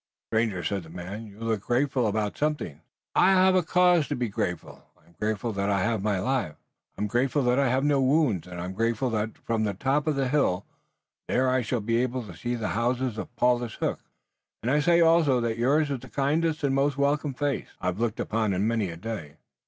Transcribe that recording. "Stranger," said the man, "you look grateful about something." "I am. I have cause to be grateful. I'm grateful that I have my life, I'm grateful that I have no wounds and I'm grateful that from the top of the hill there I shall be able to see the houses of Paulus Hook. And I say also that yours is the kindliest and most welcome face I've looked upon in many a day.